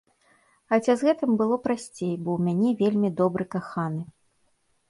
Хаця з гэтым было прасцей, бо ў мяне вельмі добры каханы.